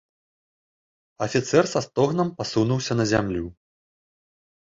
Афіцэр са стогнам пасунуўся на зямлю.